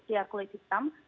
pihak polisi hitam